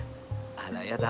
あらやだ！